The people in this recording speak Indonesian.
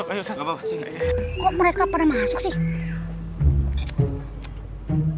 kok mereka pada masuk sih